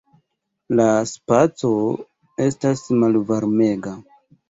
La Spaco estas malvarmega.